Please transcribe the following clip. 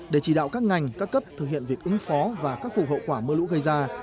để chỉ đạo các ngành các cấp thực hiện việc ứng phó và khắc phục hậu quả mưa lũ gây ra